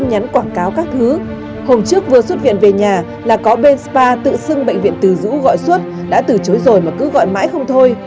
hôm trước vừa xuất viện về nhà là có bên spa tự xưng bệnh viện từ dũ gọi xuất đã từ chối rồi mà cứ gọi mãi không thôi